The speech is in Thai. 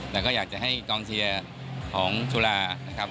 แต่ก็อยากจะให้กองเชียร์ของจุฬานะครับ